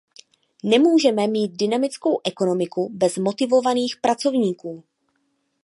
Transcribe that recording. Nemůžeme mít dynamickou ekonomiku bez motivovaných pracovníků.